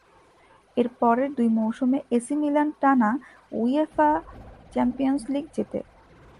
এর পরের দুই মৌসুমে এসি মিলান টানা উয়েফা চ্যাম্পিয়নস লিগ জেতে।